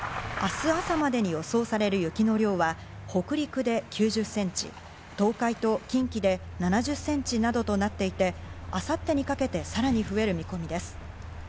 明日朝までに予想される雪の量は、北陸で９０センチ、東海と近畿で７０センチなどとなっていて、明後日にかけて、さらに増える見込みです。